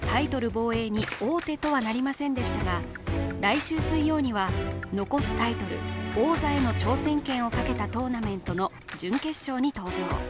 防衛に王手とはなりませんでしたが、来週水曜には、残すタイトル王座への挑戦権をかけたトーナメントの準決勝に登場。